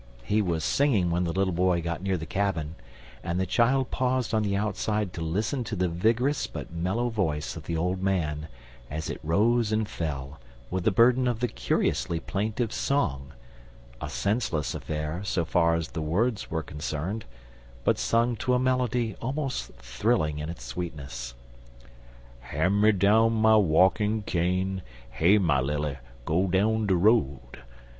He was singing when the little boy got near the cabin, and the child paused on the outside to listen to the vigorous but mellow voice of the old man, as it rose and fell with the burden of the curiously plaintive song a senseless affair so far as the words were concerned, but sung to a melody almost thrilling in its sweetness: "Han' me down my walkin' cane (Hey my Lily! go down de road!)